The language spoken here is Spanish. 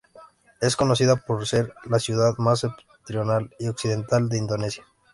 Es conocida por ser la ciudad más septentrional y occidental de Indonesia.